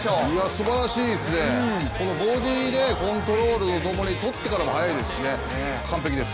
すばらしいですね、このボディーでコントロールを取ってからも早いですしね、完璧です。